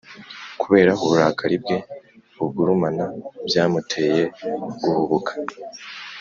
kubera uburakari bwe bugurumana, byamuteye guhubuka